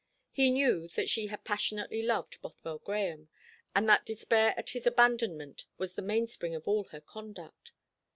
He knew that she had passionately loved Bothwell Grahame, and that despair at his abandonment was the mainspring of all her conduct.